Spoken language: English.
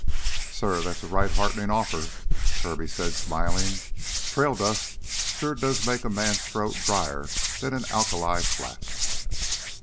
"Suh, that's a right heartenin' offer," Kirby said, smiling. "Trail dust sure does make a man's throat dryer'n an alkali flat!"